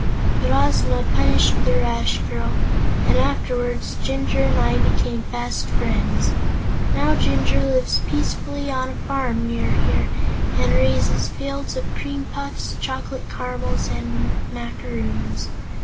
But Ozma punished the rash girl, and afterward Jinjur and I became fast friends. Now Jinjur lives peacefully on a farm, near here, and raises fields of cream puffs, chocolate caramels and macaroons.